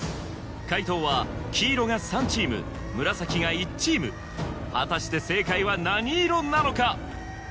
解答は「黄色」が３チーム「紫」が１チーム果たして正解は何色なのか？